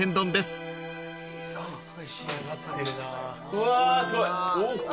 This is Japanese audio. うわすごい。